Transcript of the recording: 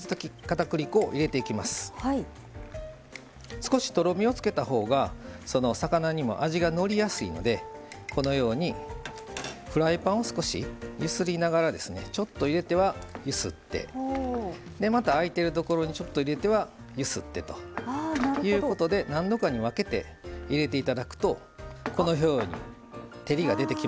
少しとろみをつけたほうが魚にも味がのりやすいのでこのようにフライパンを少し揺すりながらちょっと入れては揺すってまたあいてるところにちょっと入れては揺すってということで何度かに分けて入れていただくとこのように照りが出てきますので。